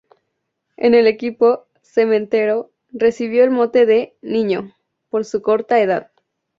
En el equipo "cementero" recibió el mote de "Niño" por su corta edad.